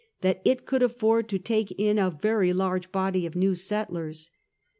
104 101 that it could afford to take in a very large body of new settlers.